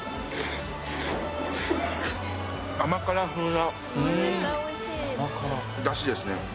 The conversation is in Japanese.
甘辛風なだしですね